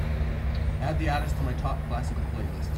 Add the artist to my top classical playlist.